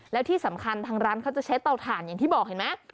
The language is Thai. แล้วที่สำคัญทางร้านเขาจะใช้เตาถ่านอย่างที่บอกเห็นไหม